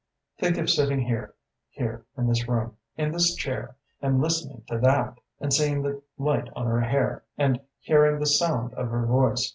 "Think of sitting here here, in this room, in this chair and listening to that, and seeing the tight on her hair, and hearing the sound of her voice!